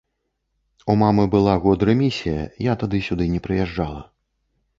У мамы была год рэмісія, я тады сюды не прыязджала.